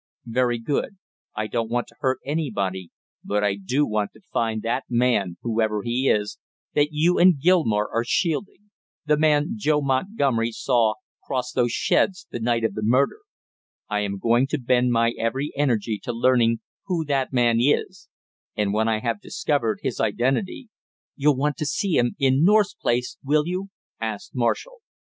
"Very good, I don't want to hurt anybody, but I do want to find that man, whoever he is, that you and Gilmore are shielding; the man Joe Montgomery saw cross those sheds the night of the murder; I am going to bend my every energy to learning who that man is, and when I have discovered his identity " "You'll want to see him in North's place, will you?" asked Marshall.